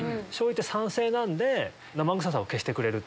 醤油って酸性なんで生臭さを消してくれる。